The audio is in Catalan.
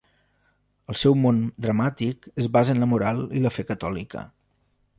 El seu món dramàtic es basa en la moral i la fe catòlica.